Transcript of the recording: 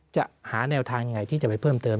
จะหาแนวทางอย่างไรที่จะไปเพิ่มเติม